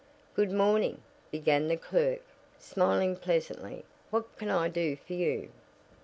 "Good morning," began the clerk, smiling pleasantly. "What can I do for you?"